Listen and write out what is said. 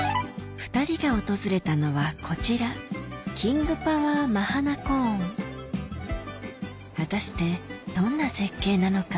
２人が訪れたのはこちら果たしてどんな絶景なのか？